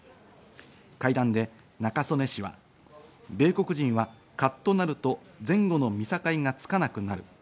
会談で中曽根氏は、米国人はカッとなると前後の見境がつかなくなる。